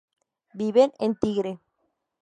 Viven en Tigre.